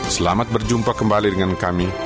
selamat berjumpa kembali dengan kami